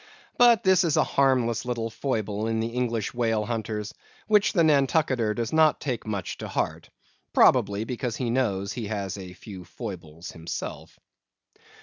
But this is a harmless little foible in the English whale hunters, which the Nantucketer does not take much to heart; probably, because he knows that he has a few foibles himself.